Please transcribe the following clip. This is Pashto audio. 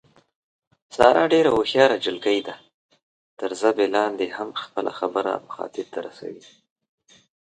ساره ډېره هوښیاره نجیلۍ ده، تر ژبه لاندې هم خپله خبره مخاطب ته رسوي.